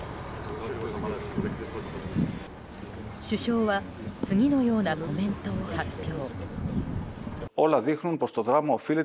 首相は次のようなコメントを発表。